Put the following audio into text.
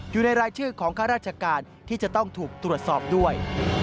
อยู่ในรายชื่อของข้าราชการที่จะต้องถูกตรวจสอบด้วย